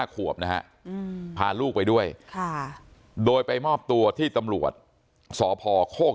ขวบนะฮะพาลูกไปด้วยโดยไปมอบตัวที่ตำรวจสพโคก